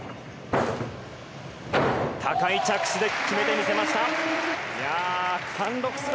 高い着地で決めてみせました。